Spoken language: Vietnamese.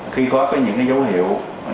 từ trạm cho tới phòng thám tư